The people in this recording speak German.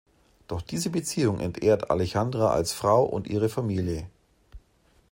Doch diese Beziehung entehrt Alejandra als Frau und ihre Familie.